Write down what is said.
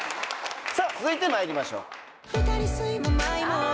さぁ続いてまいりましょう。